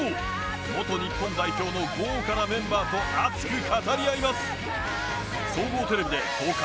元日本代表の豪華なメンバーと熱く語り合います。